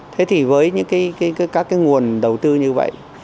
thế thì với những các cái nguồn đầu tư như vậy